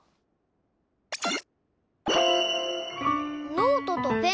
ノートとペン？